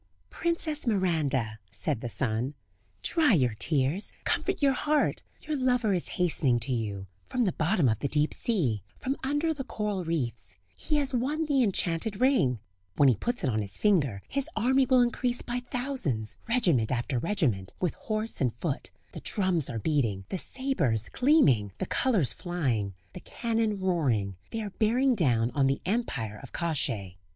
"Princess Miranda," said the sun; "dry your tears, comfort your heart; your lover is hastening to you, from the bottom of the deep sea, from under the coral reefs; he has won the enchanted ring; when he puts it on his finger, his army will increase by thousands, regiment after regiment, with horse and foot; the drums are beating, the sabres gleaming, the colours flying, the cannon roaring, they are bearing down on the empire of Kosciey.